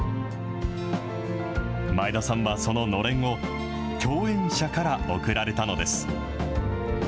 前田さんはそののれんを共演者から贈られたのです。